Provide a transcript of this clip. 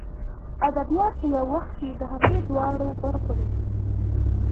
ادبیات په یو وخت کې د همدې دواړو برخو دي.